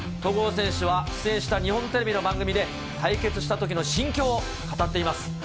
出演した日本テレビの番組で、対決したときの心境を語っています。